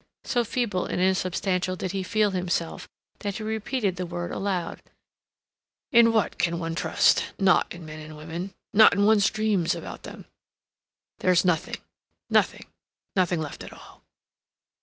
So feeble and insubstantial did he feel himself that he repeated the word aloud. "In what can one trust? Not in men and women. Not in one's dreams about them. There's nothing—nothing, nothing left at all."